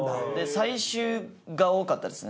最終が多かったですね。